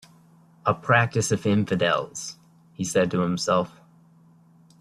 "A practice of infidels," he said to himself.